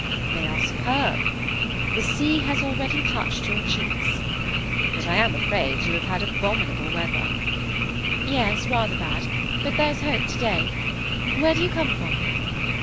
"They are superb. The sea has already touched your cheeks. But I am afraid you have had abominable weather." "Yes, rather bad; but there's hope to day. Where do you come from?"